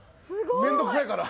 面倒くさいから。